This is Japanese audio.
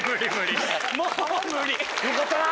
よかったな！